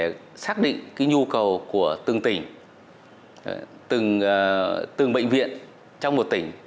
để xác định cái nhu cầu của từng tỉnh từng bệnh viện trong một tỉnh